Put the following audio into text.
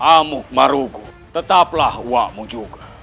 amuk maruguh tetaplah uakmu juga